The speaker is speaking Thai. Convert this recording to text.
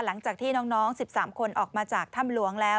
หลังจากที่น้อง๑๓คนออกมาจากถ้ำหลวงแล้ว